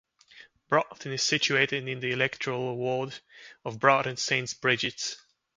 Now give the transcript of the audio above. Broughton is situated in the electoral ward of Broughton Saint Bridget's.